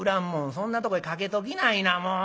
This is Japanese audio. そんなとこへかけときないなもう。